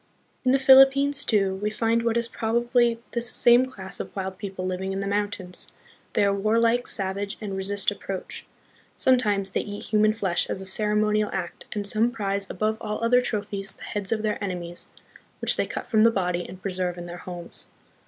In the Philippines, too, we find what is probably this same class of wild people living in the mountains. They are warlike, savage, and resist approach. Sometimes they eat human flesh as a ceremonial act, and some prize above all other trophies the heads of their enemies, which they cut from the body and preserve in then* homes.